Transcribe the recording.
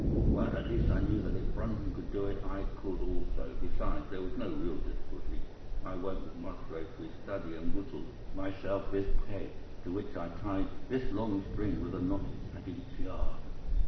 "Well, at least I knew that if Brunton could do it, I could also. Besides, there was no real difficulty. I went with Musgrave to his study and whittled myself this peg, to which I tied this long string with a knot at each yard.